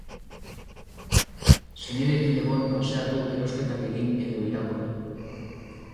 Senideekin egon, paseatu, erosketak egin edo irakurri.